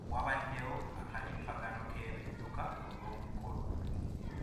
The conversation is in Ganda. Wabaddewo akalipaggano k'ebidduka olw'omukolo.